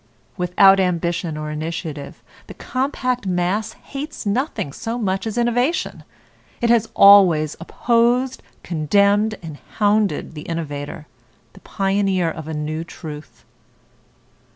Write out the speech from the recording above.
Without ambition or initiative, the compact mass hates nothing so much as innovation. It has always opposed, condemned, and hounded the innovator, the pioneer of a new truth.